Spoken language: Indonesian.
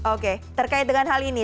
oke terkait dengan hal ini